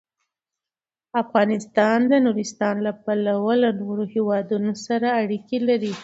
افغانستان د نورستان له پلوه له نورو هېوادونو سره اړیکې لري.